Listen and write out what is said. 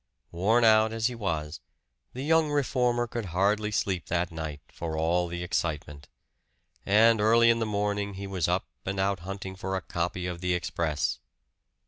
Worn out as he was, the young reformer could hardly sleep that night, for all the excitement. And early in the morning he was up and out hunting for a copy of the "Express."